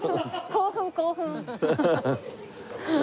興奮興奮。